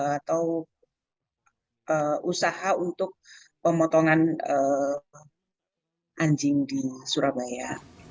atau usaha untuk pemotongan anjing di surabaya